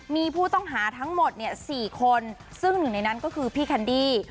มีผู้ต้องหาทั้งหมด๔คนซึ่งหนึ่งในนั้นก็คือพี่แคนดี้